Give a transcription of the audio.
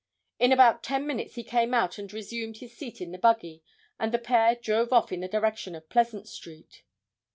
In about ten minutes he came out and resumed his seat in the buggy and the pair drove off in the direction of Pleasant street.